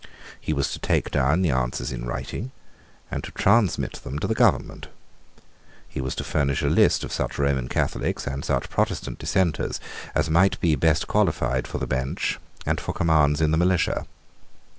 He was to take down the answers in writing, and to transmit them to the government. He was to furnish a list of such Roman Catholics, and such Protestant Dissenters, as might be best qualified for the bench and for commands in the militia.